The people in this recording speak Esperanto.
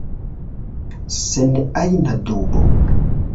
Sen ajna dubo.